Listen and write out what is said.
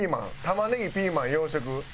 玉ねぎピーマン洋食。